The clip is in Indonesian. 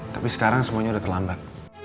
tapi sekarang semuanya sudah terlambat